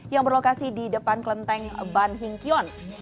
yang berlokasi di depan kelenteng ban hing kion